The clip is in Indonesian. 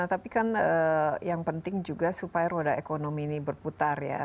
tapi kan yang penting juga supaya roda ekonomi ini berputar ya